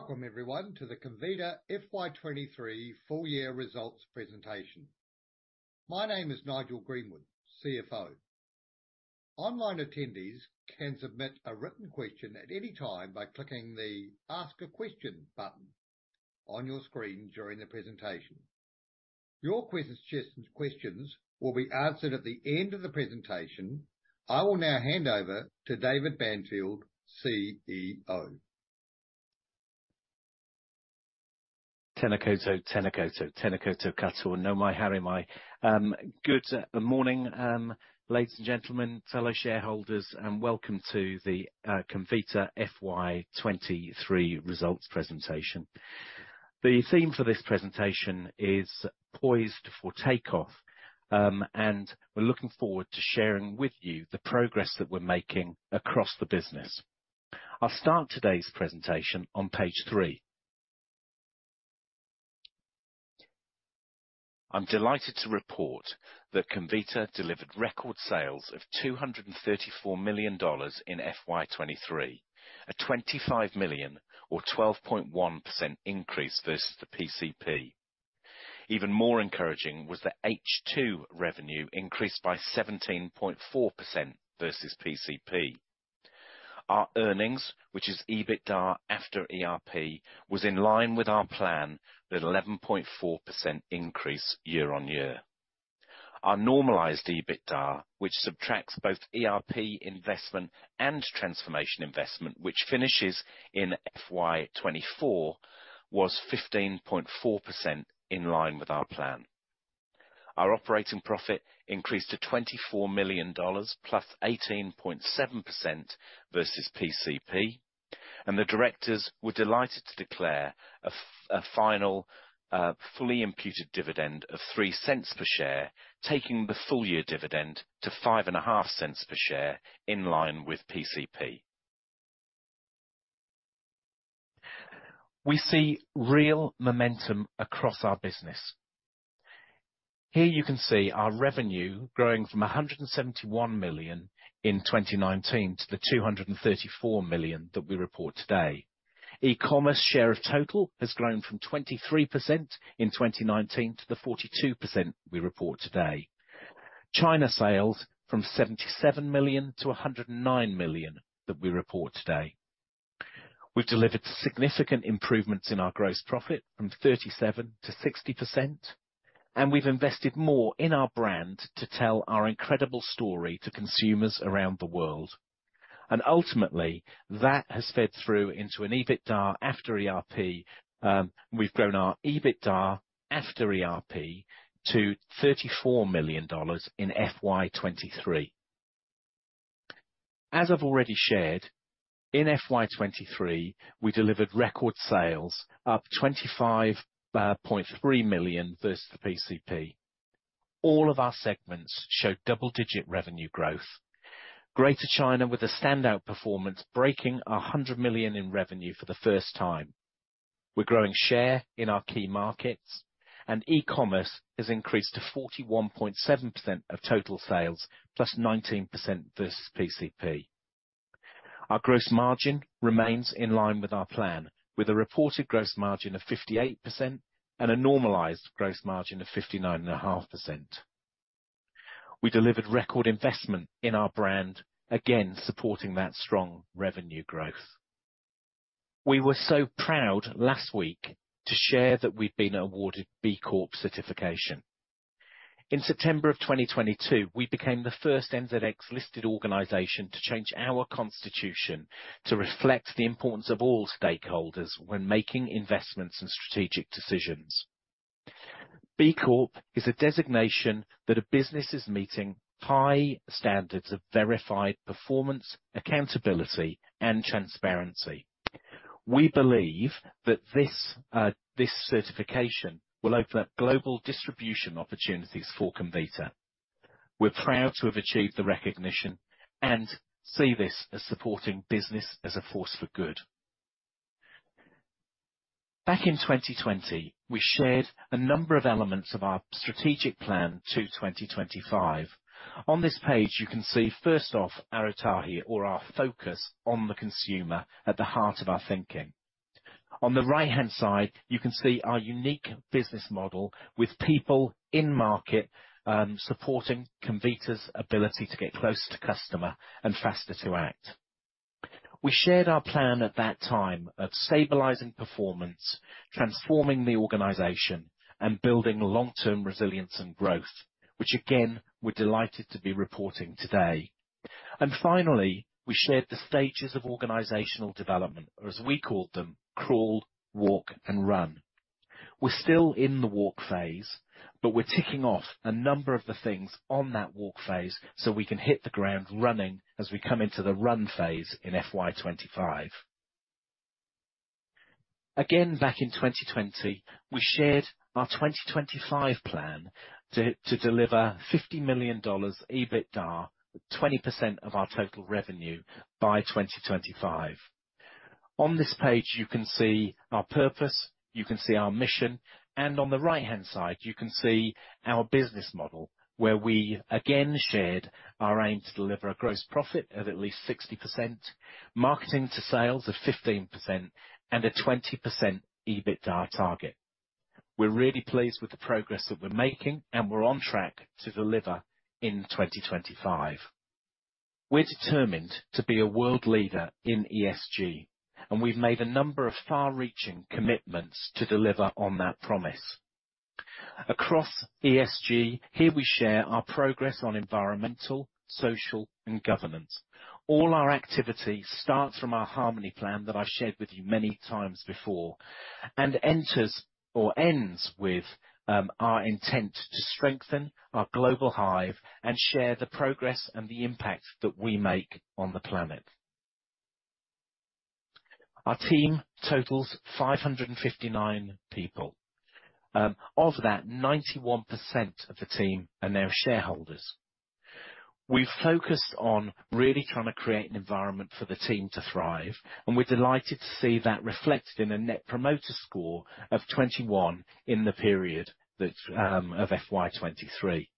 Welcome everyone to the Comvita FY23 full year results presentation. My name is Nigel Greenwood, CFO. Online attendees can submit a written question at any time by clicking the Ask a Question button on your screen during the presentation. Your questions will be answered at the end of the presentation. I will now hand over to David Banfield, CEO. Tena koutou, tena koutou, tena koutou katoa. Nau mai, haere mai. Good morning, ladies and gentlemen, fellow shareholders, welcome to the Comvita FY23 results presentation. The theme for this presentation is Poised for Takeoff, we're looking forward to sharing with you the progress that we're making across the business. I'll start today's presentation on page three. I'm delighted to report that Comvita delivered record sales of $234 million in FY23, a $25 million or 12.1% increase versus the PCP. Even more encouraging was that H2 revenue increased by 17.4% versus PCP. Our earnings, which is EBITDA after ERP, was in line with our plan, with 11.4% increase year-on-year. Our normalized EBITDA, which subtracts both ERP investment and transformation investment, which finishes in FY24, was 15.4% in line with our plan. Our operating profit increased to 24 million dollars, +18.7% versus PCP. The directors were delighted to declare a final, fully imputed dividend of 0.03 per share, taking the full year dividend to 0.055 per share, in line with PCP. We see real momentum across our business. Here you can see our revenue growing from 171 million in 2019 to the 234 million that we report today. E-commerce share of total has grown from 23% in 2019 to the 42% we report today. China sales from 77 million to 109 million that we report today. We've delivered significant improvements in our gross profit from 37% to 60%. We've invested more in our brand to tell our incredible story to consumers around the world. Ultimately, that has fed through into an EBITDA after ERP, we've grown our EBITDA after ERP to 34 million dollars in FY23. As I've already shared, in FY23, we delivered record sales up 25.3 million versus the PCP. All of our segments showed double-digit revenue growth. Greater China, with a standout performance, breaking 100 million in revenue for the first time. We're growing share in our key markets, e-commerce has increased to 41.7% of total sales, +19% versus PCP. Our gross margin remains in line with our plan, with a reported gross margin of 58% and a normalized gross margin of 59.5%. We delivered record investment in our brand, again, supporting that strong revenue growth. We were so proud last week to share that we've been awarded B Corp certification. In September of 2022, we became the first NZX-listed organization to change our constitution to reflect the importance of all stakeholders when making investments and strategic decisions. B Corp is a designation that a business is meeting high standards of verified performance, accountability, and transparency. We believe that this certification will open up global distribution opportunities for Comvita. We're proud to have achieved the recognition and see this as supporting business as a force for good. Back in 2020, we shared a number of elements of our strategic plan to 2025. On this page, you can see, first off, our Ōtahi, or our focus on the consumer, at the heart of our thinking. On the right-hand side, you can see our unique business model with people in market, supporting Comvita's ability to get closer to customer and faster to act. We shared our plan at that time of stabilizing performance, transforming the organization, and building long-term resilience and growth, which again, we're delighted to be reporting today. Finally, we shared the stages of organizational development, or as we called them, crawl, walk, and run. We're still in the walk phase, we're ticking off a number of the things on that walk phase, so we can hit the ground running as we come into the run phase in FY25. Again, back in 2020, we shared our 2025 plan to deliver 50 million dollars EBITDA, 20% of our total revenue by 2025. On this page, you can see our purpose, you can see our mission, and on the right-hand side, you can see our business model, where we again shared our aim to deliver a gross profit of at least 60%, marketing to sales of 15%, and a 20% EBITDA target. We're really pleased with the progress that we're making, and we're on track to deliver in 2025. We're determined to be a world leader in ESG, and we've made a number of far-reaching commitments to deliver on that promise. Across ESG, here we share our progress on environmental, social, and governance. All our activity starts from our Harmony Plan, that I've shared with you many times before, and enters or ends with our intent to strengthen our global hive and share the progress and the impact that we make on the planet. Our team totals 559 people. Of that, 91% of the team are now shareholders. We've focused on really trying to create an environment for the team to thrive, and we're delighted to see that reflected in a Net Promoter Score of 21 in the period that of FY23.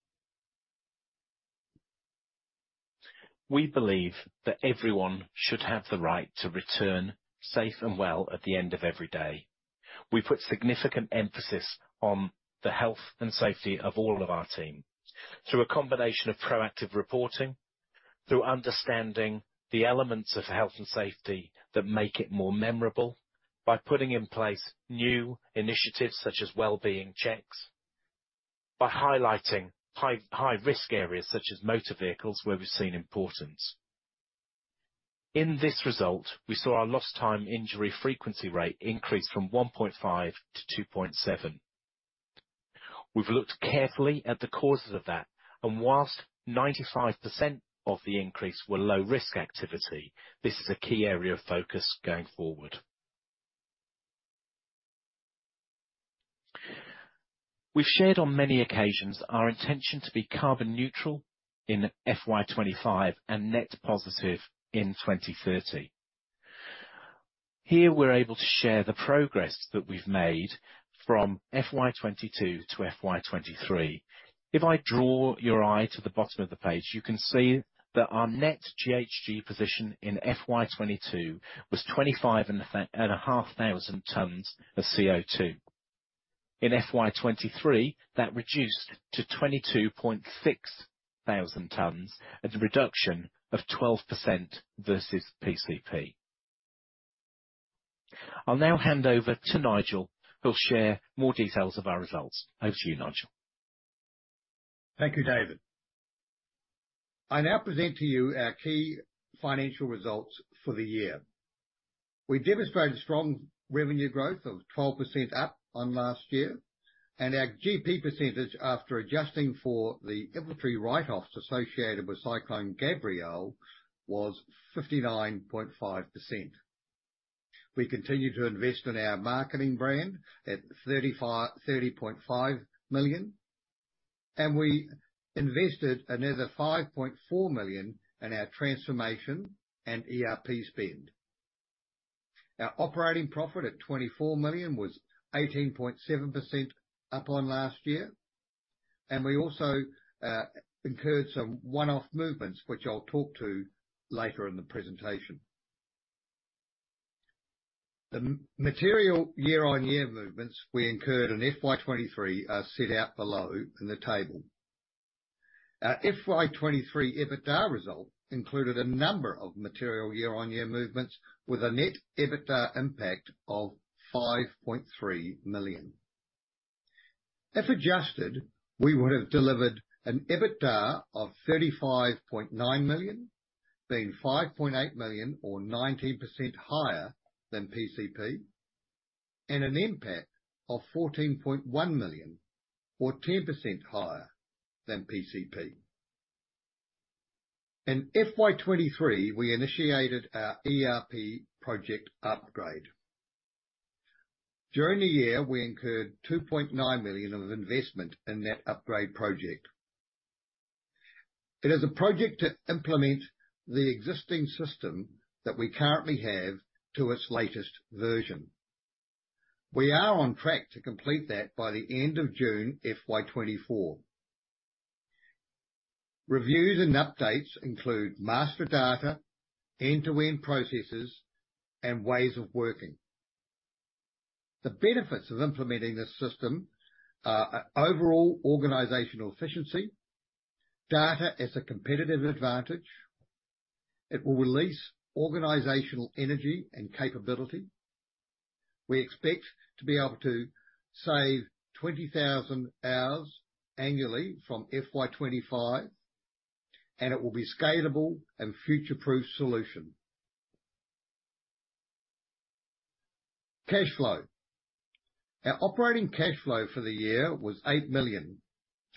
We believe that everyone should have the right to return safe and well at the end of every day. We put significant emphasis on the health and safety of all of our team through a combination of proactive reporting, through understanding the elements of health and safety that make it more memorable, by putting in place new initiatives such as well-being checks, by highlighting high, high-risk areas such as motor vehicles, where we've seen importance. In this result, we saw our Lost Time Injury Frequency Rate increase from 1.5 to 2.7. Whilst 95% of the increase were low-risk activity, this is a key area of focus going forward. We've shared on many occasions our intention to be carbon neutral in FY25 and net positive in 2030. Here, we're able to share the progress that we've made from FY22 to FY23. If I draw your eye to the bottom of the page, you can see that our net GHG position in FY22 was 25,500 tons of CO2. In FY23, that reduced to 22,600 tons, at a reduction of 12% versus PCP. I'll now hand over to Nigel, who'll share more details of our results. Over to you, Nigel. Thank you, David. I now present to you our key financial results for the year. We demonstrated strong revenue growth of 12% up on last year, and our GP percentage, after adjusting for the inventory write-offs associated with Cyclone Gabrielle, was 59.5%. We continued to invest in our marketing brand at 30.5 million, and we invested another 5.4 million in our transformation and ERP spend. Our operating profit at 24 million was 18.7% up on last year, and we also incurred some one-off movements, which I'll talk to later in the presentation. The m-material year-on-year movements we incurred in FY23 are set out below in the table. Our FY23 EBITDA result included a number of material year-on-year movements, with a net EBITDA impact of 5.3 million. If adjusted, we would have delivered an EBITDA of 35.9 million, being 5.8 million, or 19% higher than PCP, and an impact of 14.1 million, or 10% higher than PCP. In FY23, we initiated our ERP project upgrade. During the year, we incurred 2.9 million of investment in that upgrade project. It is a project to implement the existing system that we currently have to its latest version. We are on track to complete that by the end of June, FY24. Reviews and updates include master data, end-to-end processes, and ways of working. The benefits of implementing this system are overall organizational efficiency, data as a competitive advantage. It will release organizational energy and capability. We expect to be able to save 20,000 hours annually from FY25, and it will be scalable and future-proof solution. Cash flow. Our operating cash flow for the year was 8 million,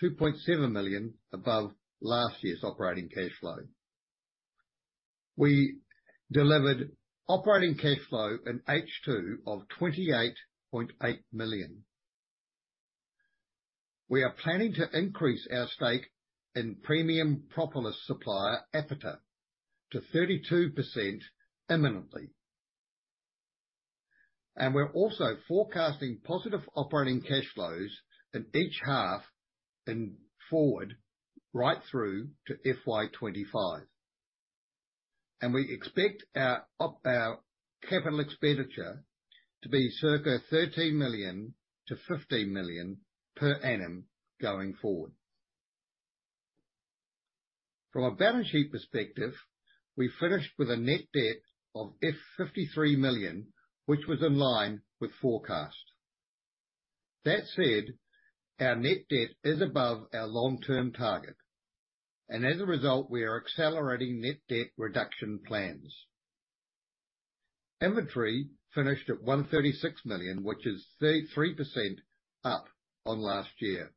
2.7 million above last year's operating cash flow. We delivered operating cash flow in H2 of 28.8 million. We are planning to increase our stake in premium propolis supplier, Apiter, to 32% imminently. We're also forecasting positive operating cash flows in each half in forward, right through to FY25. We expect our capital expenditure to be circa 13 million-15 million per annum going forward. From a balance sheet perspective, we finished with a net debt of 53 million, which was in line with forecast. That said, our net debt is above our long-term target, and as a result, we are accelerating net debt reduction plans. Inventory finished at 136 million, which is 33% up on last year.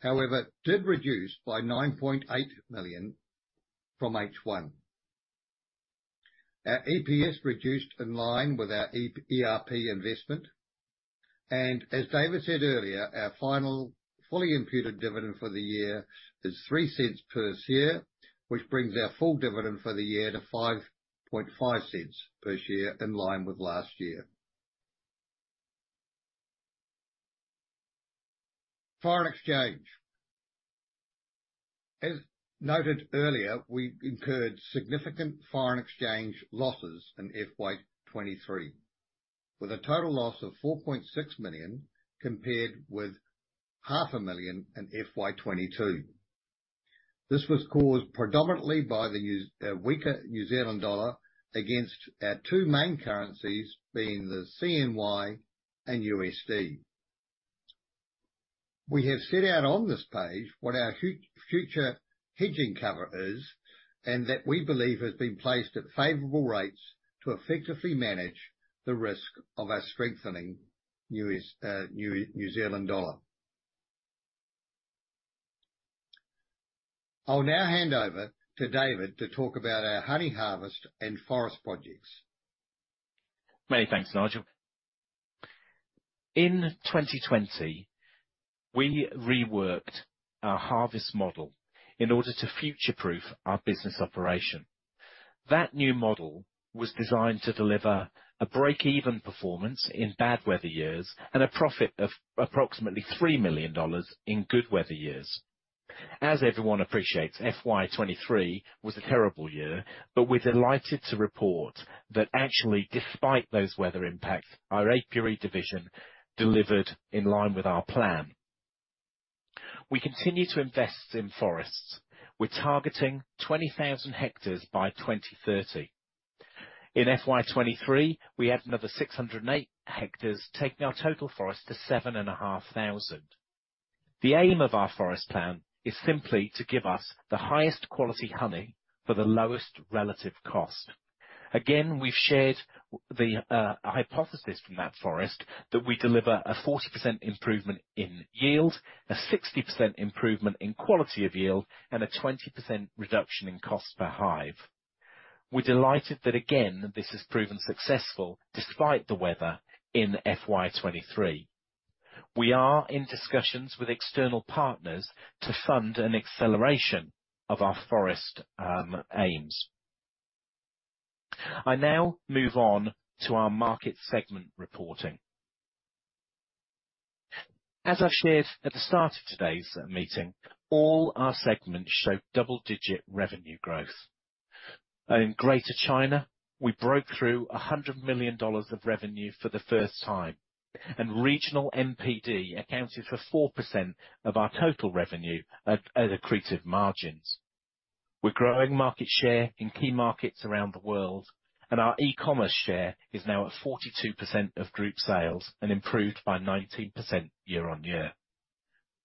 However, it did reduce by 9.8 million from H1. Our EPS reduced in line with our ERP investment, and as David said earlier, our final fully imputed dividend for the year is 0.03 per share, which brings our full dividend for the year to 0.055 per share, in line with last year. Foreign exchange. As noted earlier, we incurred significant foreign exchange losses in FY23, with a total loss of 4.6 million, compared with 500,000 in FY22. This was caused predominantly by the weaker New Zealand dollar against our two main currencies, being the CNY and USD. We have set out on this page what our future hedging cover is, and that we believe has been placed at favorable rates to effectively manage the risk of our strengthening New Zealand dollar. I'll now hand over to David to talk about our honey harvest and forest projects. Many thanks, Nigel. In 2020, we reworked our harvest model in order to future-proof our business operation. That new model was designed to deliver a break-even performance in bad weather years and a profit of approximately 3 million dollars in good weather years. As everyone appreciates, FY23 was a terrible year, we're delighted to report that actually, despite those weather impacts, our apiary division delivered in line with our plan. We continue to invest in forests. We're targeting 20,000 hectares by 2030. In FY23, we added another 608 hectares, taking our total forest to 7,500. The aim of our forest plan is simply to give us the highest quality honey for the lowest relative cost. Again, we've shared the hypothesis from that forest, that we deliver a 40% improvement in yield, a 60% improvement in quality of yield, and a 20% reduction in cost per hive. We're delighted that, again, this has proven successful despite the weather in FY23. We are in discussions with external partners to fund an acceleration of our forest aims. I now move on to our market segment reporting. As I've shared at the start of today's meeting, all our segments showed double-digit revenue growth. In Greater China, we broke through 100 million dollars of revenue for the first time, and regional NPD accounted for 4% of our total revenue at, at accretive margins. We're growing market share in key markets around the world, and our e-commerce share is now at 42% of group sales and improved by 19% year-over-year.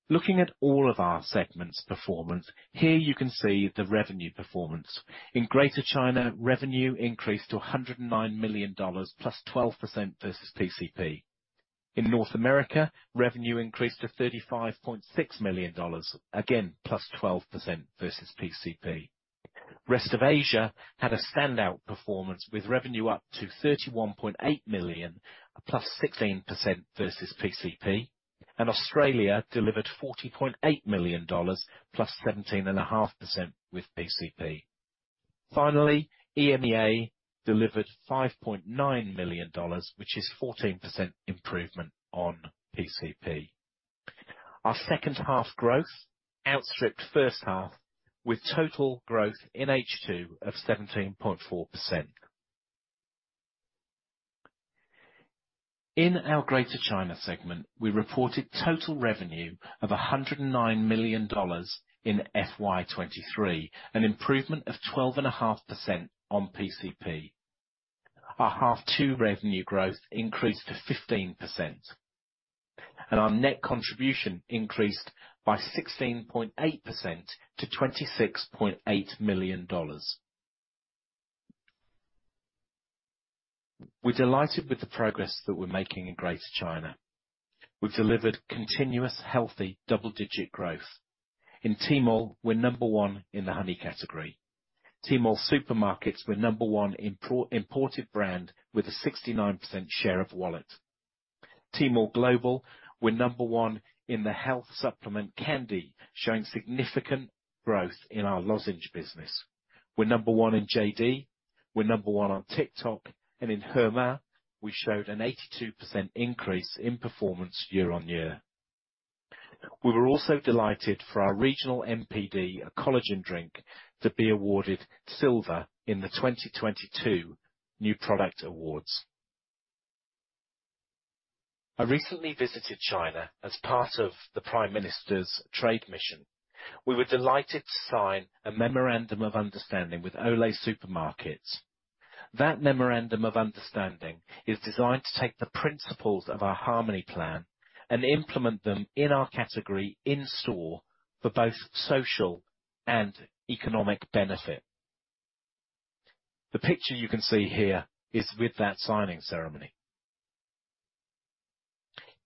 Looking at all of our segments' performance, here you can see the revenue performance. In Greater China, revenue increased to $109 million, +12% versus PCP. In North America, revenue increased to $35.6 million, again, +12% versus PCP. Rest of Asia had a standout performance, with revenue up to $31.8 million, +16% versus PCP, and Australia delivered $40.8 million, +17.5% with PCP. Finally, EMEA delivered $5.9 million, which is 14% improvement on PCP. Our second half growth outstripped first half, with total growth in H2 of 17.4%. In our Greater China segment, we reported total revenue of 109 million dollars in FY23, an improvement of 12.5% on PCP. Our H2 revenue growth increased to 15%, and our net contribution increased by 16.8% to NZD 26.8 million. We're delighted with the progress that we're making in Greater China. We've delivered continuous, healthy, double-digit growth. In Tmall, we're number one in the honey category. Tmall Supermarket, we're number one import, imported brand with a 69% share of wallet. Tmall Global, we're number one in the health supplement candy, showing significant growth in our lozenge business. We're number one in JD.com, we're number one on TikTok, and in Hema, we showed an 82% increase in performance year-on-year. We were also delighted for our regional NPD, a collagen drink, to be awarded silver in the 2022 New Product Awards. I recently visited China as part of the Prime Minister's trade mission. We were delighted to sign a memorandum of understanding with Olé Supermarkets. That memorandum of understanding is designed to take the principles of our Harmony Plan and implement them in our category in store for both social and economic benefit. The picture you can see here is with that signing ceremony.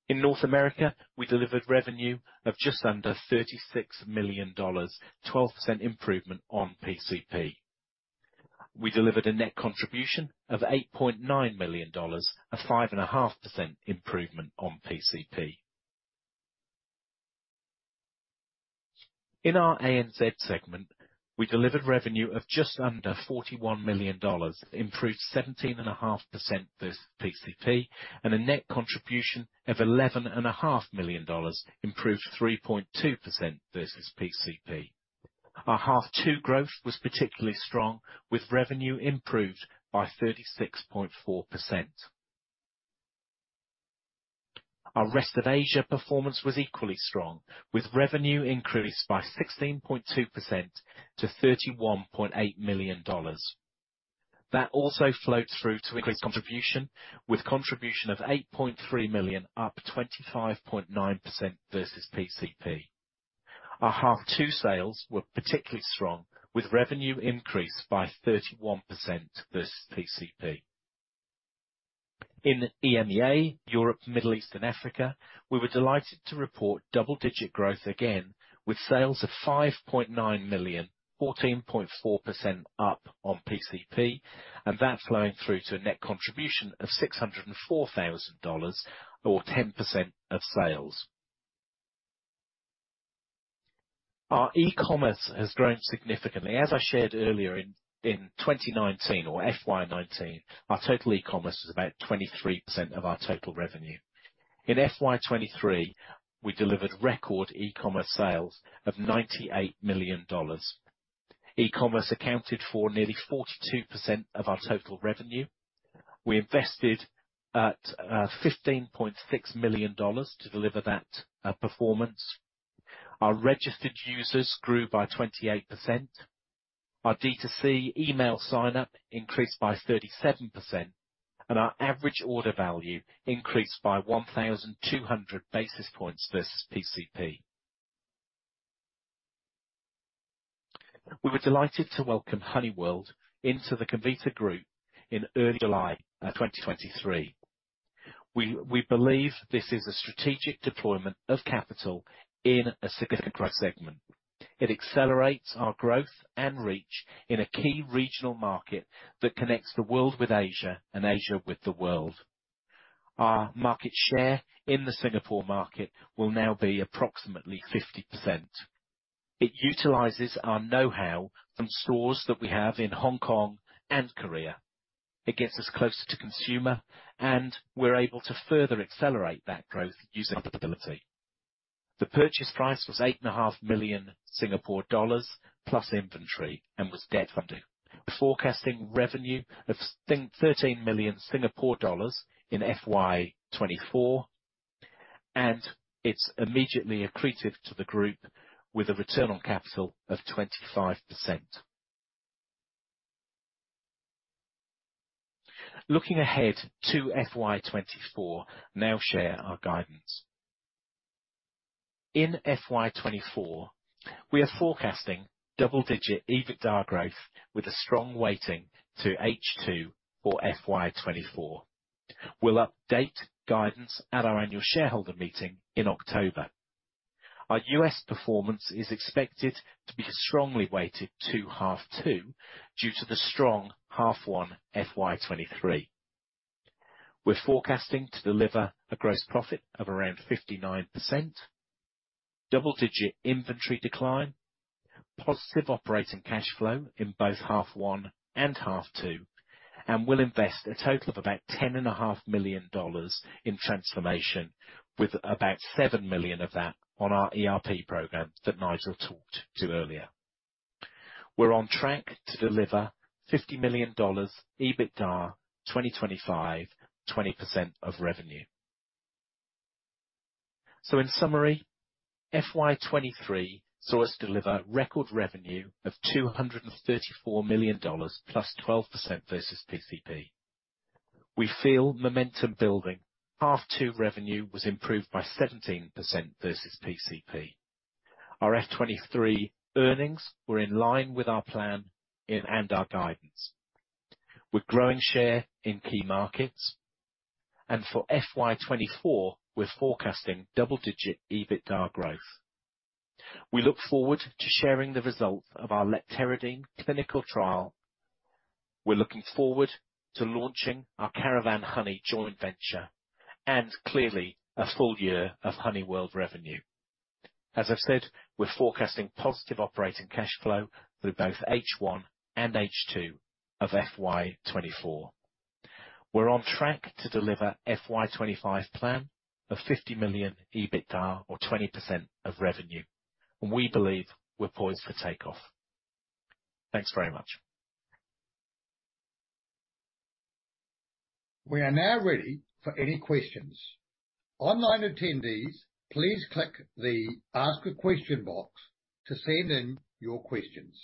In North America, we delivered revenue of just under $36 million, 12% improvement on PCP. We delivered a net contribution of $8.9 million, a 5.5% improvement on PCP. In our ANZ segment, we delivered revenue of just under 41 million dollars, improved 17.5% versus PCP, and a net contribution of 11.5 million dollars, improved 3.2% versus PCP. Our H2 growth was particularly strong, with revenue improved by 36.4%. Our Rest of Asia performance was equally strong, with revenue increased by 16.2% to 31.8 million dollars. That also flowed through to increased contribution, with contribution of 8.3 million, up 25.9% versus PCP. Our H2 sales were particularly strong, with revenue increased by 31% versus PCP. In EMEA, Europe, Middle East, and Africa, we were delighted to report double-digit growth again, with sales of 5.9 million, 14.4% up on PCP, and that flowing through to a net contribution of 604,000 dollars, or 10% of sales. Our e-commerce has grown significantly. As I shared earlier, in 2019 or FY19, our total e-commerce was about 23% of our total revenue. In FY23, we delivered record e-commerce sales of 98 million dollars. E-commerce accounted for nearly 42% of our total revenue. We invested 15.6 million dollars to deliver that performance. Our registered users grew by 28%. Our D2C email sign-up increased by 37%, and our average order value increased by 1,200 basis points versus PCP. We were delighted to welcome HoneyWorld into the Comvita Group in early July 2023. We believe this is a strategic deployment of capital in a significant growth segment. It accelerates our growth and reach in a key regional market that connects the world with Asia and Asia with the world. Our market share in the Singapore market will now be approximately 50%. It utilizes our know-how from stores that we have in Hong Kong and Korea. It gets us closer to consumer, and we're able to further accelerate that growth using profitability. The purchase price was 8.5 million Singapore dollars, plus inventory and was debt funded. Forecasting revenue of 13 million Singapore dollars in FY24, and it's immediately accretive to the group with a return on capital of 25%. Looking ahead to FY24, now share our guidance. In FY24, we are forecasting double-digit EBITDA growth with a strong weighting to H2 or FY24. We'll update guidance at our annual shareholder meeting in October. Our U.S. performance is expected to be strongly weighted to H2, due to the strong H1 FY23. We're forecasting to deliver a gross profit of around 59%, double-digit inventory decline, positive operating cash flow in both H1 and H2, and we'll invest a total of about 10.5 million dollars in transformation, with about 7 million of that on our ERP program that Nigel talked to earlier. We're on track to deliver NZD 50 million, EBITDA, 2025, 20% of revenue. In summary, FY23 saw us deliver record revenue of 234 million dollars, +12% versus PCP. We feel momentum building. Half two revenue was improved by 17% versus PCP. Our FY23 earnings were in line with our plan and our guidance. We're growing share in key markets. For FY24, we're forecasting double-digit EBITDA growth. We look forward to sharing the results of our Lepteridine clinical trial. We're looking forward to launching our Caravan Honey joint venture and clearly a full year of HoneyWorld revenue. As I've said, we're forecasting positive operating cash flow through both H1 and H2 of FY24. We're on track to deliver FY25 plan of 50 million EBITDA, or 20% of revenue, and we believe we're poised for takeoff. Thanks very much. We are now ready for any questions. Online attendees, please click the Ask a Question box to send in your questions.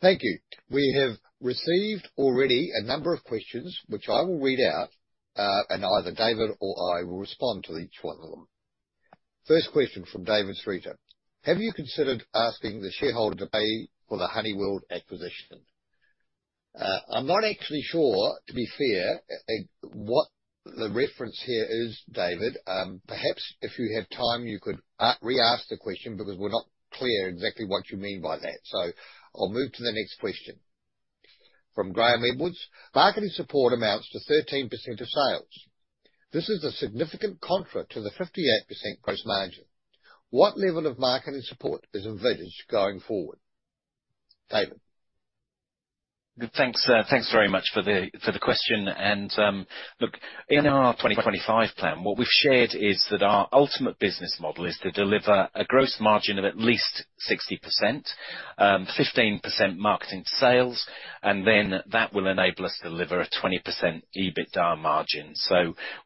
Thank you. We have received already a number of questions which I will read out, and either David or I will respond to each one of them. First question from David Banfield: Have you considered asking the shareholder to pay for the HoneyWorld acquisition? I'm not actually sure, to be fair, what the reference here is, David. Perhaps if you have time, you could re-ask the question, because we're not clear exactly what you mean by that, so I'll move to the next question. From Graham Edwards: Marketing support amounts to 13% of sales. This is a significant contra to the 58% gross margin. What level of marketing support is envisaged going forward? David. Good. Thanks, thanks very much for the, for the question. Look, in our 2025 plan, what we've shared is that our ultimate business model is to deliver a gross margin of at least 60%, 15% marketing sales, and then that will enable us to deliver a 20% EBITDA margin.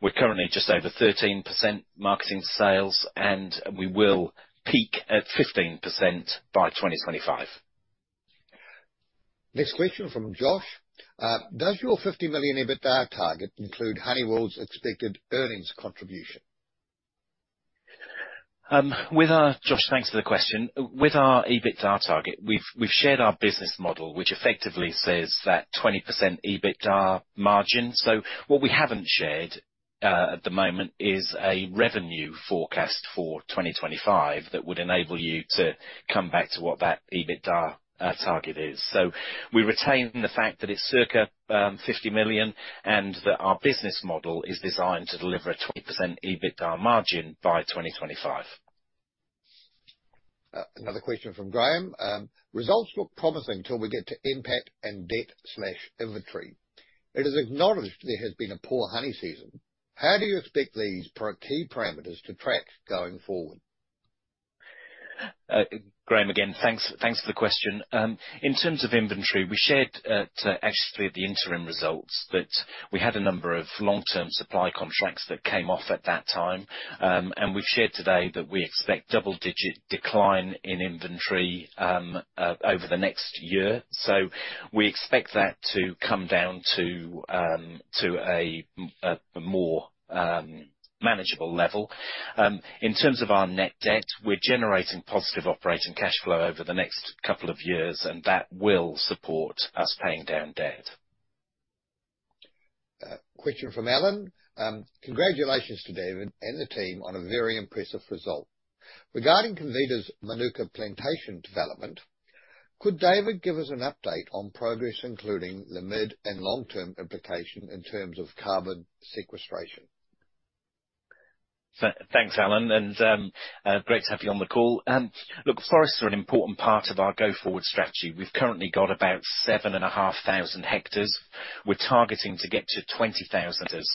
We're currently just over 13% marketing sales, and we will peak at 15% by 2025. Next question from Josh: does your 50 million EBITDA target include HoneyWorld's expected earnings contribution? Josh, thanks for the question. With our EBITDA target, we've, we've shared our business model, which effectively says that 20% EBITDA margin. What we haven't shared at the moment is a revenue forecast for 2025 that would enable you to come back to what that EBITDA target is. We retain the fact that it's circa, $50 million, and that our business model is designed to deliver a 20% EBITDA margin by 2025. Another question from Graham: Results look promising until we get to NPAT and debt/inventory. It is acknowledged there has been a poor honey season. How do you expect these key parameters to track going forward? Graham, again, thanks, thanks for the question. In terms of inventory, we shared, to actually the interim results, that we had a number of long-term supply contracts that came off at that time. We've shared today that we expect double-digit decline in inventory over the next year. We expect that to come down to a more manageable level. In terms of our net debt, we're generating positive operating cash flow over the next couple of years, and that will support us paying down debt. Question from Alan: Congratulations to David and the team on a very impressive result. Regarding Comvita's Mānuka plantation development, could David give us an update on progress, including the mid and long-term implication in terms of carbon sequestration? Thanks, Alan, and great to have you on the call. Look, forests are an important part of our go-forward strategy. We've currently got about 7,500 hectares. We're targeting to get to 20,000 hectares.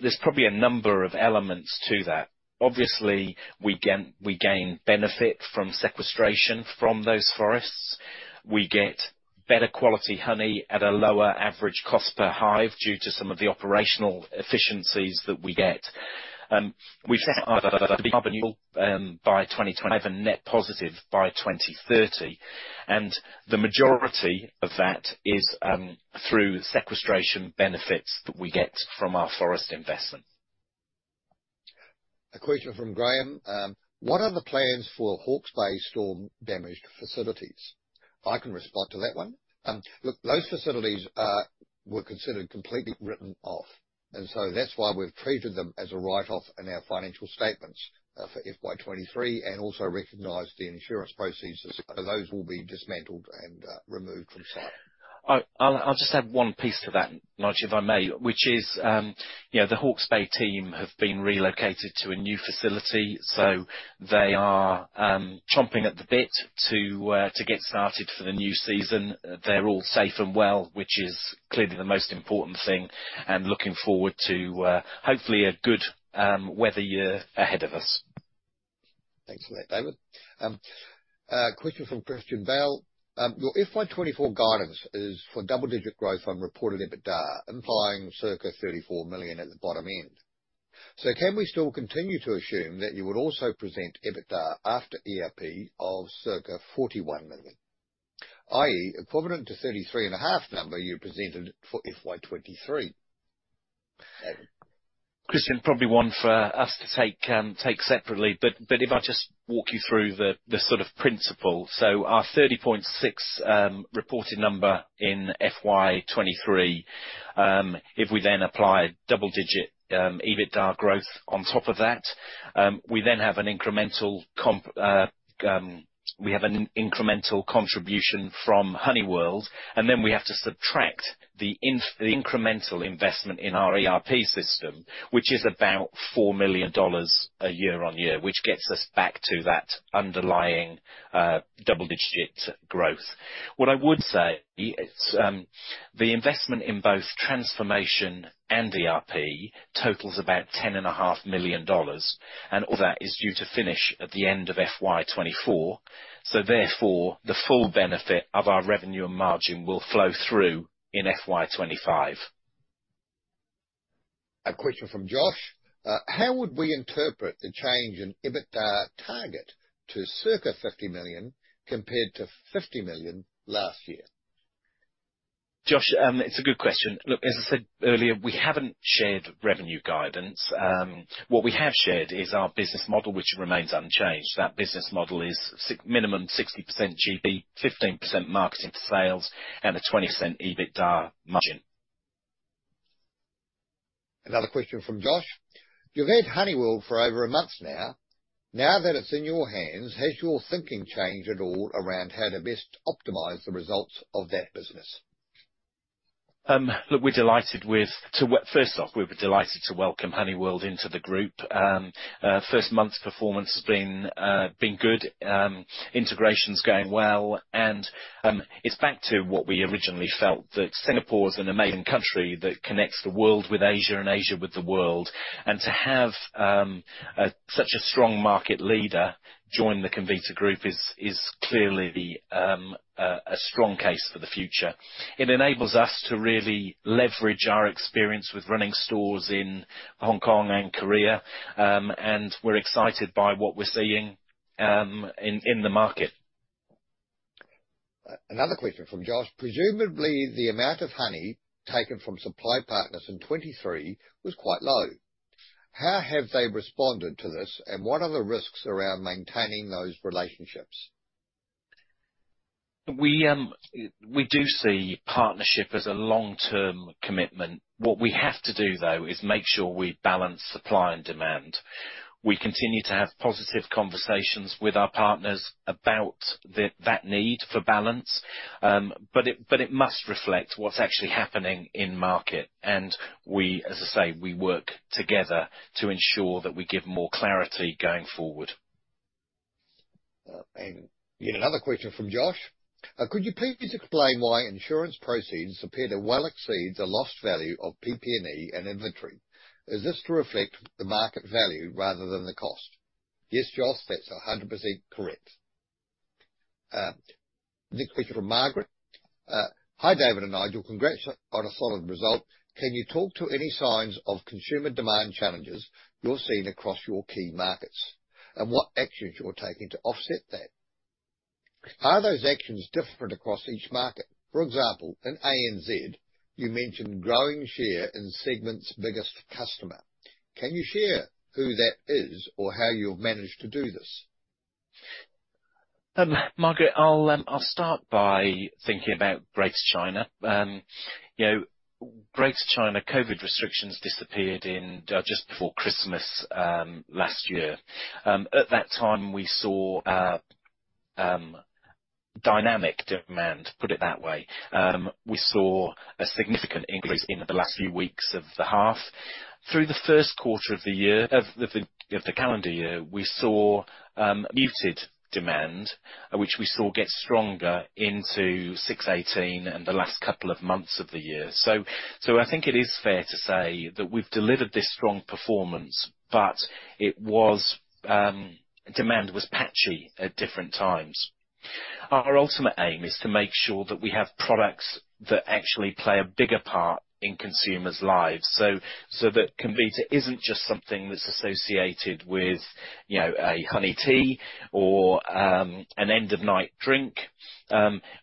There's probably a number of elements to that. Obviously, we gain, we gain benefit from sequestration from those forests. We get better quality honey at a lower average cost per hive due to some of the operational efficiencies that we get. We've set our by 2025 and net positive by 2030, and the majority of that is through sequestration benefits that we get from our forest investment. A question from Graham: What are the plans for Hawke's Bay storm-damaged facilities? I can respond to that one. Look, those facilities were considered completely written off, and so that's why we've treated them as a write-off in our financial statements for FY23, and also recognized the insurance proceeds. Those will be dismantled and removed from site. I'll, I'll just add one piece to that, Nige, if I may, which is, you know, the Hawke's Bay team have been relocated to a new facility, so they are chomping at the bit to get started for the new season. They're all safe and well, which is clearly the most important thing, and looking forward to hopefully a good weather year ahead of us. Thanks for that, David. A question from Christian Bell: your FY24 guidance is for double-digit growth on reported EBITDA, implying circa $34 million at the bottom end. Can we still continue to assume that you would also present EBITDA after ERP of circa $41 million, i.e., equivalent to $33.5 million you presented for FY23? Christian, probably one for us to take, take separately, if I just walk you through the sort of principle. Our 30.6 reported number in FY23, if we then apply double digit EBITDA growth on top of that, we then have an incremental contribution from HoneyWorld, and then we have to subtract the incremental investment in our ERP system, which is about 4 million dollars a year on year, which gets us back to that underlying double-digit growth. What I would say, it's the investment in both transformation and ERP totals about 10.5 million dollars, and all that is due to finish at the end of FY24. The full benefit of our revenue and margin will flow through in FY25. A question from Josh: how would we interpret the change in EBITDA target to circa 50 million compared to 50 million last year? Josh, it's a good question. Look, as I said earlier, we haven't shared revenue guidance. What we have shared is our business model, which remains unchanged. That business model is minimum 60% GP, 15% marketing to sales, and a 20% EBITDA margin. Another question from Josh: You've had HoneyWorld for over a month now. Now that it's in your hands, has your thinking changed at all around how to best optimize the results of that business? Look, we're delighted to welcome HoneyWorld into the group. First month's performance has been good. Integration's going well, and it's back to what we originally felt, that Singapore is an amazing country that connects the world with Asia and Asia with the world. To have such a strong market leader join the Comvita Group is clearly a strong case for the future. It enables us to really leverage our experience with running stores in Hong Kong and Korea, and we're excited by what we're seeing in the market. Another question from Josh: Presumably, the amount of honey taken from supply partners in 23 was quite low. How have they responded to this, and what are the risks around maintaining those relationships? We, we do see partnership as a long-term commitment. What we have to do, though, is make sure we balance supply and demand. We continue to have positive conversations with our partners about the, that need for balance, but it must reflect what's actually happening in market. We, as I say, we work together to ensure that we give more clarity going forward. Yet another question from Josh: Could you please explain why insurance proceeds appear to well exceed the lost value of PP&E and inventory? Is this to reflect the market value rather than the cost? Yes, Josh, that's 100% correct. Next question from Margaret. Hi, David and Nigel. Congrats on a solid result. Can you talk to any signs of consumer demand challenges you're seeing across your key markets, and what actions you're taking to offset that? Are those actions different across each market? For example, in ANZ, you mentioned growing share in segment's biggest customer. Can you share who that is or how you've managed to do this? Margaret, I'll, I'll start by thinking about Greater China. you know, Greater China, COVID restrictions disappeared in just before Christmas last year. At that time, we saw dynamic demand, put it that way. We saw a significant increase in the last few weeks of the half. Through the first quarter of the year, of, of the, of the calendar year, we saw muted demand, which we saw get stronger into 6/18 and the last couple of months of the year. I think it is fair to say that we've delivered this strong performance, but it was demand was patchy at different times. Our ultimate aim is to make sure that we have products that actually play a bigger part in consumers' lives, so that Comvita isn't just something that's associated with, you know, a honey tea or an end of night drink.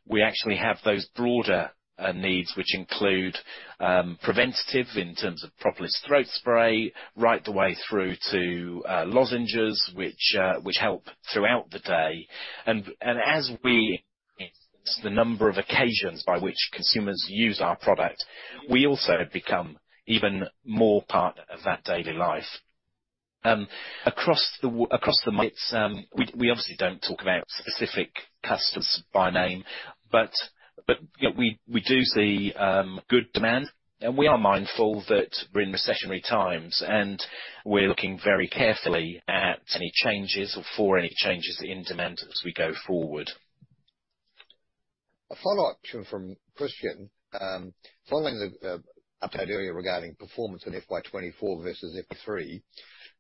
We actually have those broader needs, which include preventative in terms of Propolis Throat Spray, right the way through to Lozenges, which help throughout the day. As we increase the number of occasions by which consumers use our product, we also become even more part of that daily life. across the across the markets, we, we obviously don't talk about specific customers by name, but, but, you know, we, we do see good demand, and we are mindful that we're in recessionary times, and we're looking very carefully at any changes or for any changes in demand as we go forward. A follow-up question from Christian. Following the update earlier regarding performance in FY24 versus FY23,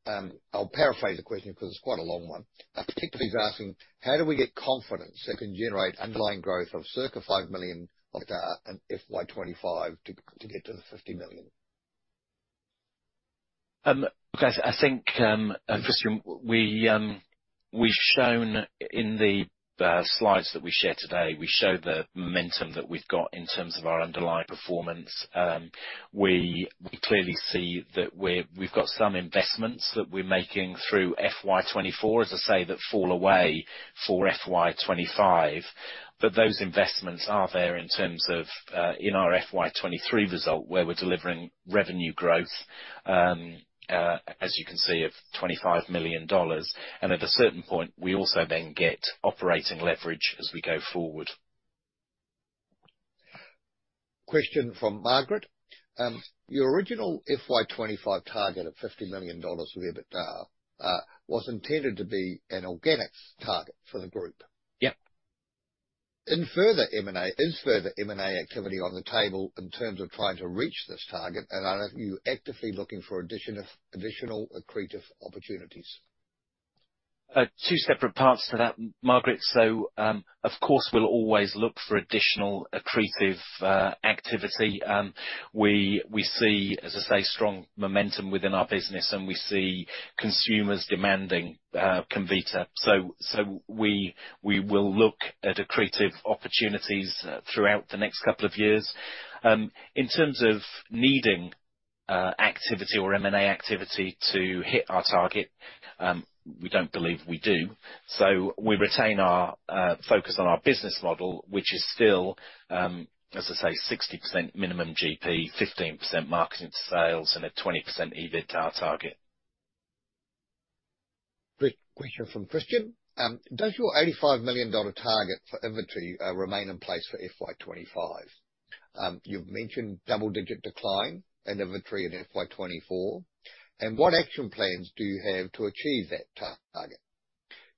I'll paraphrase the question because it's quite a long one. Particularly, he's asking: How do we get confidence that can generate underlying growth of circa 5 million of that in FY25 to get to the 50 million? Look, I, I think, Christian, we, we've shown in the, the slides that we shared today, we show the momentum that we've got in terms of our underlying performance. We, we clearly see that we've, we've got some investments that we're making through FY24, as I say, that fall away for FY25. Those investments are there in terms of, in our FY23 result, where we're delivering revenue growth, as you can see, of $25 million. At a certain point, we also then get operating leverage as we go forward. Question from Margaret. Your original FY25 target of $50 million of EBITDA was intended to be an organic target for the group. Yep. Is further M&A activity on the table in terms of trying to reach this target, and are you actively looking for additional accretive opportunities? Two separate parts to that, Margaret. Of course, we'll always look for additional accretive activity. We, we see, as I say, strong momentum within our business, and we see consumers demanding Comvita. We, we will look at accretive opportunities throughout the next couple of years. In terms of needing activity or M&A activity to hit our target, we don't believe we do. We retain our focus on our business model, which is still, as I say, 60% minimum GP, 15% marketing to sales, and a 20% EBITDA target. Great. Question from Christian. Does your NZD 85 million target for inventory remain in place for FY25? You've mentioned double-digit decline in inventory in FY24. What action plans do you have to achieve that target?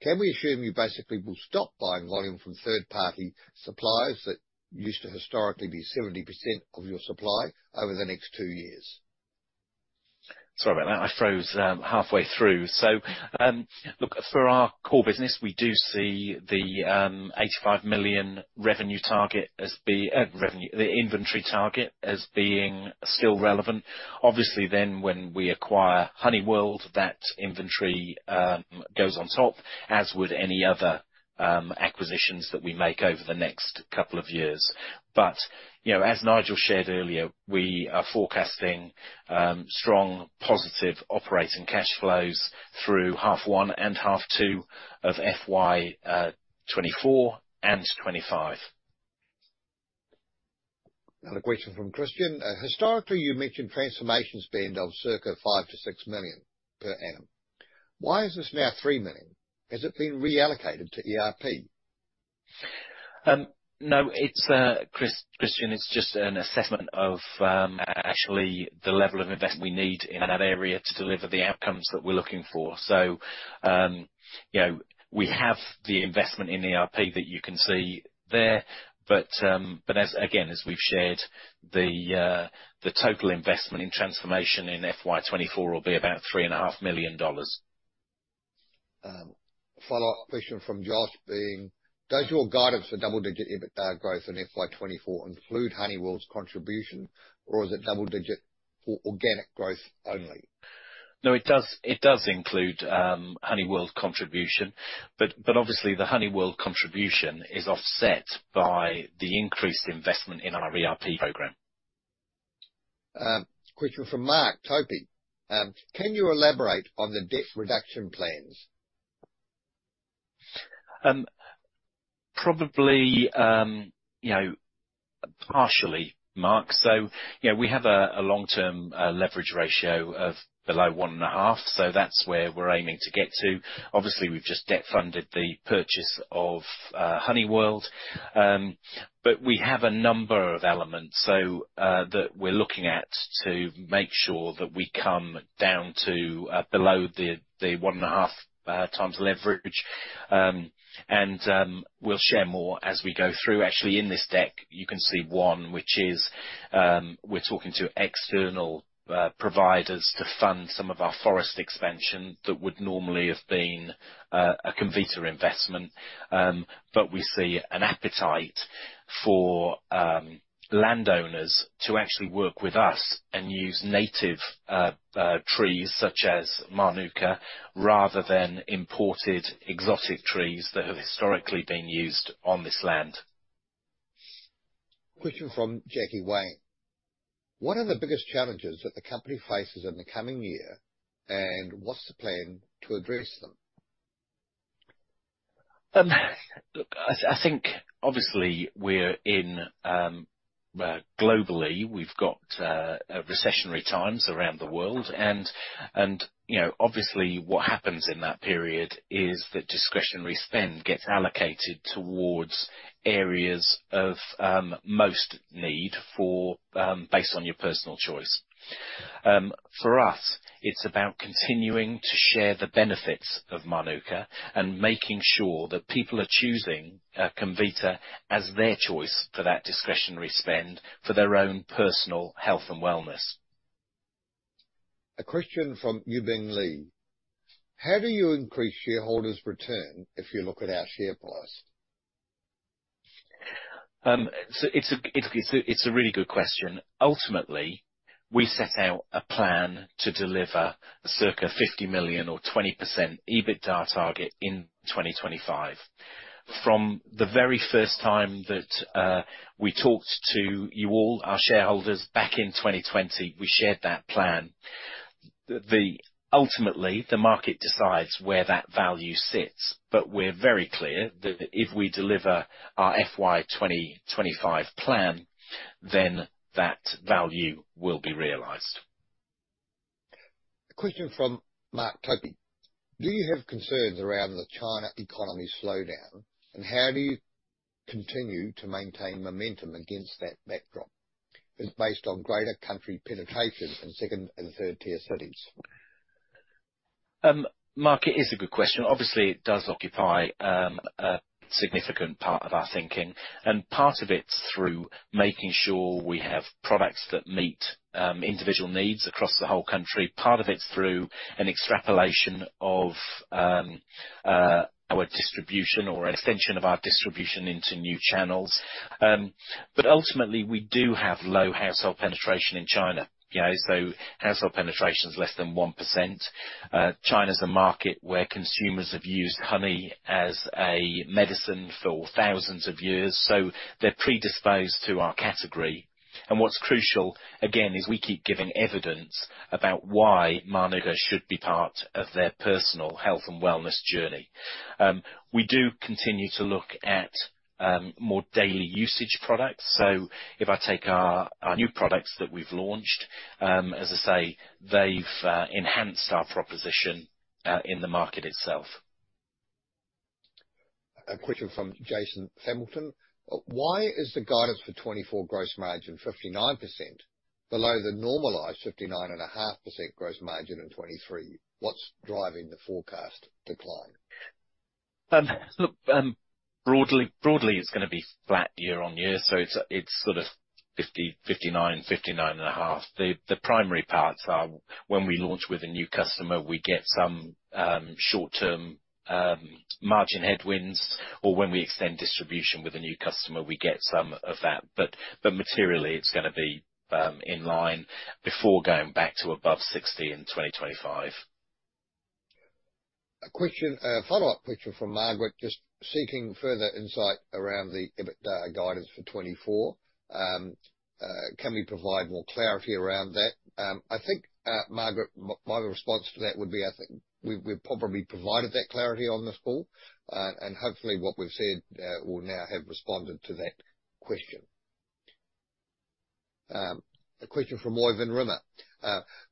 Can we assume you basically will stop buying volume from third-party suppliers that used to historically be 70% of your supply over the next two years? Sorry about that. I froze halfway through. Look, for our core business, we do see the 85 million revenue target as revenue, the inventory target as being still relevant. Obviously, then, when we acquire HoneyWorld, that inventory goes on top, as would any other acquisitions that we make over the next 2 years. You know, as Nigel Greenwood shared earlier, we are forecasting strong, positive operating cash flows through half one and half two of FY 2024 and 2025. Another question from Christian: Historically, you mentioned transformation spend of circa 5 million-6 million per annum. Why is this now 3 million? Has it been reallocated to ERP? No, it's, Christian, it's just an assessment of, actually, the level of investment we need in that area to deliver the outcomes that we're looking for. You know, we have the investment in ERP that you can see there, but, as, again, as we've shared, the total investment in transformation in FY24 will be about $3.5 million. A follow-up question from Josh being: Does your guidance for double-digit EBITDA growth in FY24 include HoneyWorld's contribution, or is it double digit or organic growth only? It does, it does include HoneyWorld contribution, but obviously, the HoneyWorld contribution is offset by the increased investment in our ERP program. Question from Mark Topy. Can you elaborate on the debt reduction plans? Probably, you know, partially, Mark. You know, we have a long-term leverage ratio of below 1.5, so that's where we're aiming to get to. Obviously, we've just debt funded the purchase of HoneyWorld, but we have a number of elements that we're looking at to make sure that we come down to below the 1.5 times leverage. We'll share more as we go through. Actually, in this deck, you can see one, which is, we're talking to external providers to fund some of our forest expansion that would normally have been a Comvita investment. We see an appetite for landowners to actually work with us and use native trees such as Mānuka, rather than imported exotic trees that have historically been used on this land. Question from Jackie Wang: What are the biggest challenges that the company faces in the coming year, and what's the plan to address them? Look, I, I think obviously we're in, globally, we've got recessionary times around the world, and, and, you know, obviously what happens in that period is that discretionary spend gets allocated towards areas of most need for based on your personal choice. For us, it's about continuing to share the benefits of Mānuka and making sure that people are choosing Comvita as their choice for that discretionary spend for their own personal health and wellness. A question from Yubing Li: How do you increase shareholders' return if you look at our share price? It's a really good question. Ultimately, we set out a plan to deliver circa 50 million or 20% EBITDA target in 2025. From the very first time that we talked to you all, our shareholders, back in 2020, we shared that plan. Ultimately, the market decides where that value sits, but we're very clear that if we deliver our FY25 plan, then that value will be realized. A question from Mark Topy: Do you have concerns around the China economy slowdown, and how do you continue to maintain momentum against that backdrop? It's based on greater country penetration in second and third tier cities. Mark, it is a good question. Obviously, it does occupy a significant part of our thinking, and part of it's through making sure we have products that meet individual needs across the whole country. Part of it's through an extrapolation of our distribution or an extension of our distribution into new channels. Ultimately, we do have low household penetration in China, you know, so household penetration is less than 1%. China's a market where consumers have used honey as a medicine for thousands of years, so they're predisposed to our category. What's crucial, again, is we keep giving evidence about why Mānuka should be part of their personal health and wellness journey. We do continue to look at more daily usage products. If I take our, our new products that we've launched, as I say, they've enhanced our proposition in the market itself. A question from Jason Hamilton: why is the guidance for 2024 gross margin 59% below the normalized 59.5% gross margin in 2023? What's driving the forecast decline? broadly, broadly, it's gonna be flat year-on-year, so it's, it's sort of 50, 59, 59.5. The primary parts are when we launch with a new customer, we get some short-term margin headwinds, or when we extend distribution with a new customer, we get some of that. But materially, it's gonna be in line before going back to above 60 in 2025. A question, a follow-up question from Margaret, just seeking further insight around the EBITDA guidance for 2024. Can we provide more clarity around that? I think, Margaret, my response to that would be, I think we've, we've probably provided that clarity on this call. Hopefully what we've said will now have responded to that question. A question from Øyvind Røed.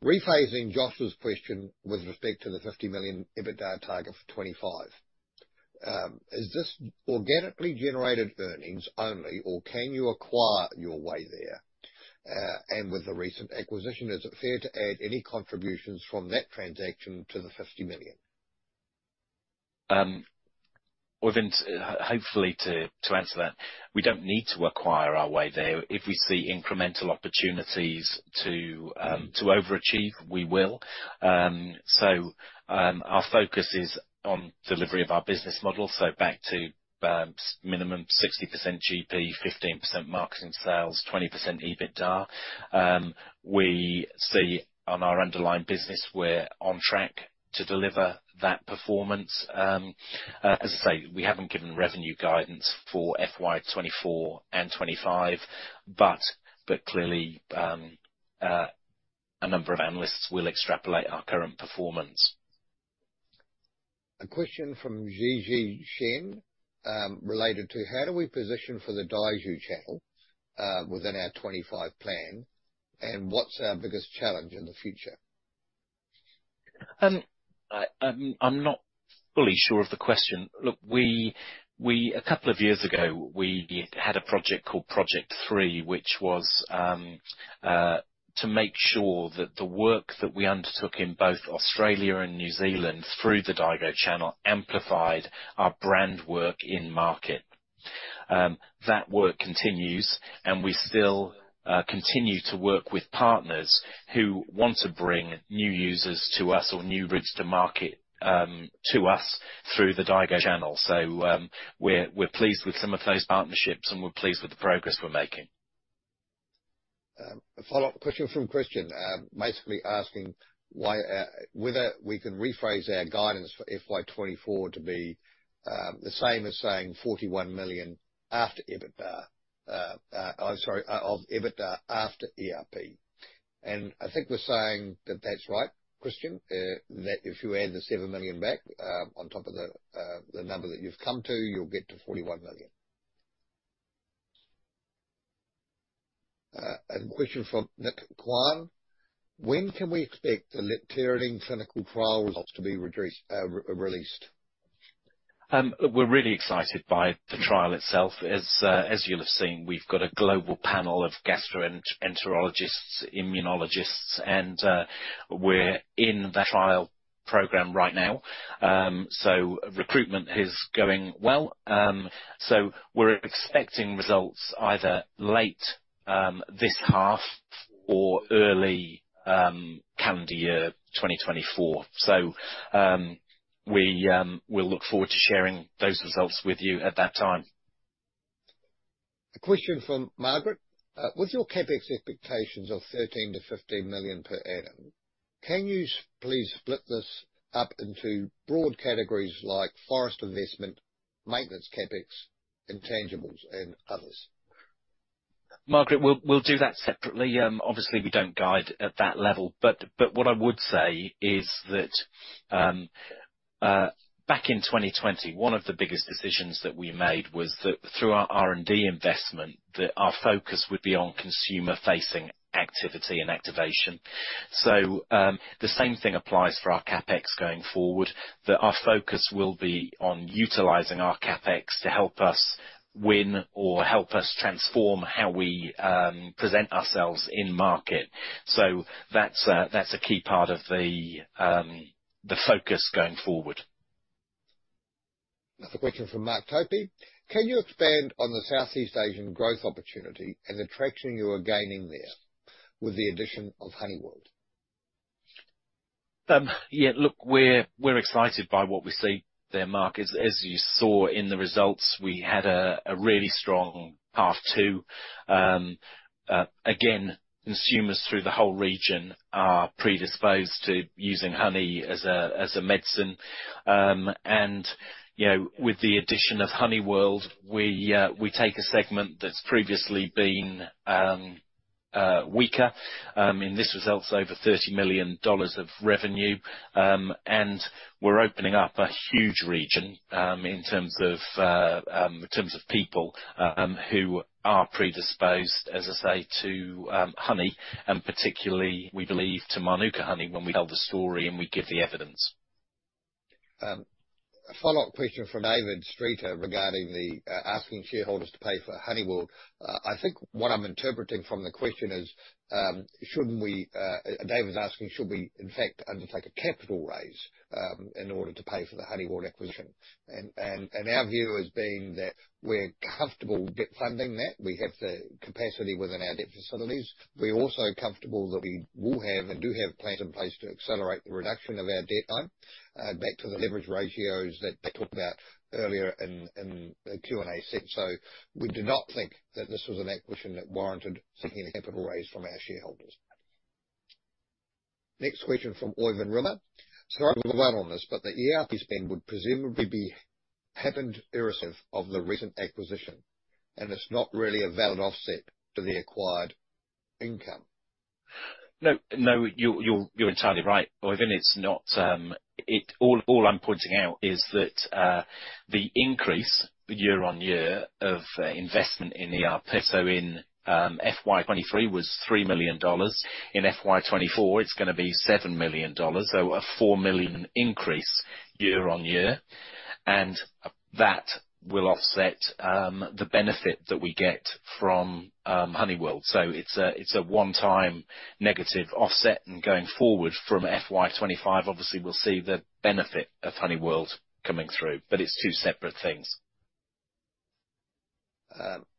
Rephrasing Josh's question with respect to the $50 million EBITDA target for 2025, is this organically generated earnings only, or can you acquire your way there? With the recent acquisition, is it fair to add any contributions from that transaction to the $50 million? Øyvind, hopefully to, to answer that, we don't need to acquire our way there. If we see incremental opportunities to to overachieve, we will. Our focus is on delivery of our business model, so back to minimum 60% GP, 15% marketing sales, 20% EBITDA. We see on our underlying business, we're on track to deliver that performance. As I say, we haven't given revenue guidance for FY24 and FY25, but, but clearly, a number of analysts will extrapolate our current performance. A question from Gigi Shen, related to how do we position for the Daigou channel, within our 25 plan, and what's our biggest challenge in the future? I, I'm not fully sure of the question. Look, we had a project called Project Three, which was to make sure that the work that we undertook in both Australia and New Zealand through the Daigou channel amplified our brand work in market. That work continues, and we still continue to work with partners who want to bring new users to us or new routes to market to us through the Daigou channel. We're, we're pleased with some of those partnerships, and we're pleased with the progress we're making. A follow-up question from Christian, basically asking why whether we can rephrase our guidance for FY24 to be the same as saying 41 million after EBITDA. I'm sorry, of EBITDA after ERP. I think we're saying that that's right, Christian, that if you add the 7 million back, on top of the number that you've come to, you'll get to 41 million. Question from Nick Guan: When can we expect the Lepteridine clinical trial results to be released? We're really excited by the trial itself. As, as you'll have seen, we've got a global panel of gastroenterologists, immunologists, and we're in the trial program right now. Recruitment is going well. We're expecting results either late this half or early calendar year 2024. We'll look forward to sharing those results with you at that time. A question from Margaret: with your CapEx expectations of 13 million-15 million per annum, can you please split this up into broad categories like forest investment, maintenance CapEx, intangibles, and others? Margaret, we'll, we'll do that separately. Obviously, we don't guide at that level, but, but what I would say is that, back in 2020, one of the biggest decisions that we made was that through our R&D investment, that our focus would be on consumer-facing activity and activation. The same thing applies for our CapEx going forward, that our focus will be on utilizing our CapEx to help us win or help us transform how we, present ourselves in market. That's a, that's a key part of the, the focus going forward. Another question from Mark Topy: Can you expand on the Southeast Asian growth opportunity and the traction you are gaining there with the addition of HoneyWorld? Yeah, look, we're, we're excited by what we see there, Mark. As you saw in the results, we had a really strong half two. Again, consumers through the whole region are predisposed to using honey as a medicine. You know, with the addition of HoneyWorld, we take a segment that's previously been weaker, and this results over 30 million dollars of revenue. We're opening up a huge region, in terms of people, who are predisposed, as I say, to honey, and particularly, we believe, to Mānuka honey, when we tell the story and we give the evidence. A follow-up question from David Sheat regarding the asking shareholders to pay for HoneyWorld. I think what I'm interpreting from the question is, shouldn't we, David's asking, should we, in fact, undertake a capital raise, in order to pay for the HoneyWorld acquisition? Our view has been that we're comfortable debt funding that. We have the capacity within our debt facilities. We're also comfortable that we will have, and do have, plans in place to accelerate the reduction of our debt time, back to the leverage ratios that I talked about earlier in, in the Q&A set. We do not think that this was an acquisition that warranted seeking a capital raise from our shareholders. Next question from Øyvind Røed. Sorry to dwell on this, but the ERP spend would presumably be happened irrespective of the recent acquisition, and it's not really a valid offset to the acquired income. No, no, you're, you're, you're entirely right, Øyvind. It's not, All, all I'm pointing out is that the increase year-on-year of investment in ERP, so in FY23 was $3 million, in FY24, it's gonna be $7 million, so a $4 million increase year-on-year. That will offset the benefit that we get from HoneyWorld. So it's a, it's a one-time negative offset, and going forward from FY25, obviously, we'll see the benefit of HoneyWorld coming through, but it's two separate things.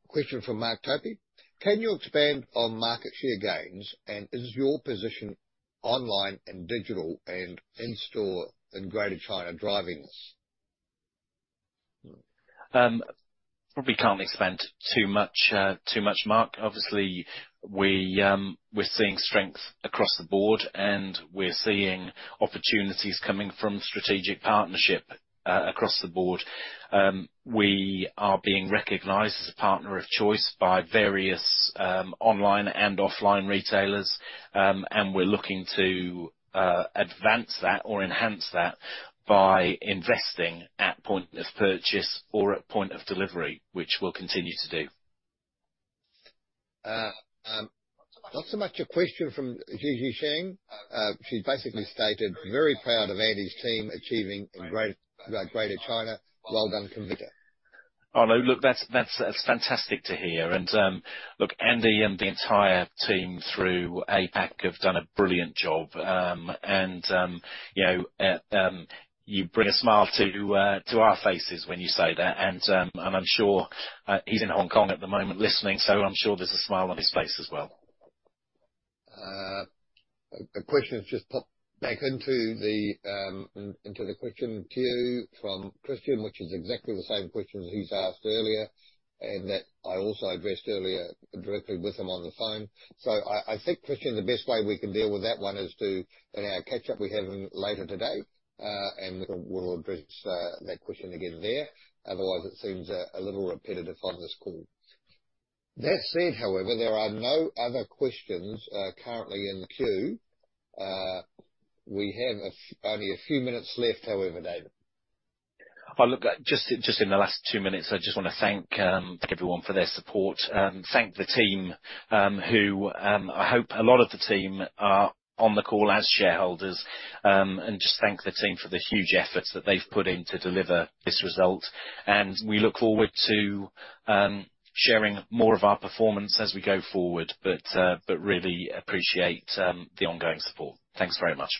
Question from Mark Topy: Can you expand on market share gains, and is your position online and digital and in-store in Greater China driving this? Probably can't expand too much, too much, Mark. Obviously, we're seeing strength across the board, and we're seeing opportunities coming from strategic partnership, across the board. We are being recognized as a partner of choice by various, online and offline retailers, and we're looking to, advance that or enhance that by investing at point of purchase or at point of delivery, which we'll continue to do. Not so much a question from Gigi Shen. She's basically stated, "Very proud of Andy's team achieving in Greater China. Well done, Comvita. Oh, no, look, that's, that's, that's fantastic to hear. Look, Andy and the entire team through APAC have done a brilliant job. You know, you bring a smile to our faces when you say that. I'm sure he's in Hong Kong at the moment listening, so I'm sure there's a smile on his face as well. A question has just popped back into the question queue from Christian, which is exactly the same question as he's asked earlier, and that I also addressed earlier directly with him on the phone. I, I think, Christian, the best way we can deal with that one is to, in our catch-up we have later today, and we'll, we'll address that question again there. Otherwise, it seems a little repetitive on this call. That said, however, there are no other questions currently in the queue. We have only a few minutes left, however, David. Just, just in the last 2 minutes, I just wanna thank, thank everyone for their support. Thank the team, who, I hope a lot of the team are on the call as shareholders. Just thank the team for the huge efforts that they've put in to deliver this result. We look forward to sharing more of our performance as we go forward, but really appreciate the ongoing support. Thanks very much.